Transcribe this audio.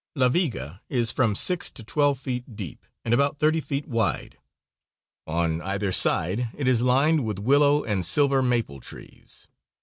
La Viga is from six to twelve feet deep, and about thirty feet wide. On either side it is lined with willow and silver maple trees.